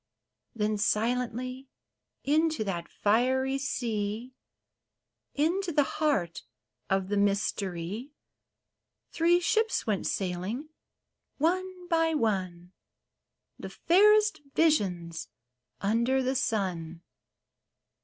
Then silently into that fiery sea — Into the heart of the mystery — Three ships went sailing, one by one. The fairest visions under the sun.